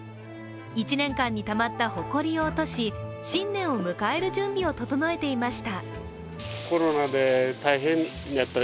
１年間にたまったほこりを落とし新年を迎える準備を整えていました。